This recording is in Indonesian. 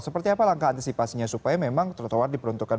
seperti apa langkah antisipasinya supaya memang trotoar diperuntukkan